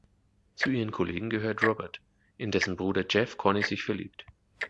Zu ihren Kollegen gehört Robert, in dessen Bruder Jeff Connie sich verliebt.